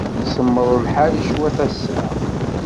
Semmeḍ lḥal cwiṭ ass-a.